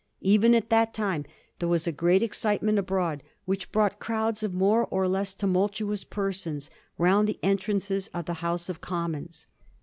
Even at that time there was a great excitement abroad, which brought crowds of more or less tumultuous persons round the entrances of the House of Commons.